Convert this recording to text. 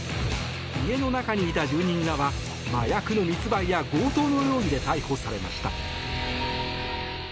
家の中にいた住人らは麻薬の密売や強盗の容疑で逮捕されました。